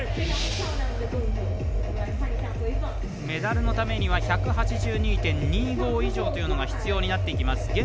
メダルのためには１８２．２５以上というのが必要になってきます。